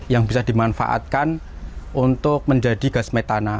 yang bisa dimanfaatkan untuk menjadi gas metana